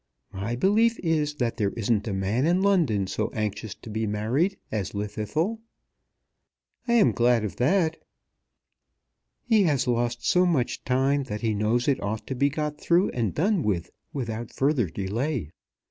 My belief is that there isn't a man in London so anxious to be married as Llwddythlw." "I am glad of that." "He has lost so much time that he knows it ought to be got through and done with without further delay.